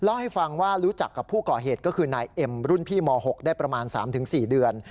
เล่าให้ฟังว่ารู้จักกับผู้ก่อเหตุก็คือนายเอ็มรุ่นพี่ม๖ได้ประมาณ๓๔เดือน